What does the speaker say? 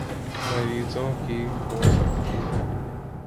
مریضوں کی ہو سکتی ہیں